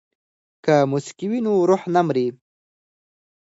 که موسیقي وي نو روح نه مري.